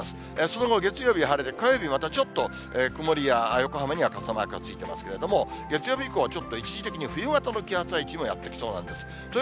その後、月曜日は晴れで、火曜日またちょっと曇りや横浜には傘マークがついてますけれども、月曜日以降はちょっと一時的に冬型の気圧配置もやって来そうなんです。